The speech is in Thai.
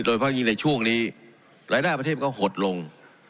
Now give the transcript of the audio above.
โดยเพราะยิ่งในช่วงนี้รายได้ประเทศก็หดลง